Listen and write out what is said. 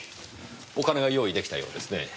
お金が用意出来たようですね。